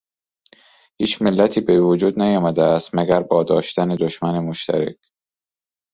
هیچ ملتی به وجود نیامده است مگر با داشتن دشمن مشترک